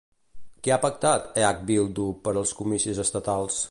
Què ha pactat EH-Bildu per als comicis estatals?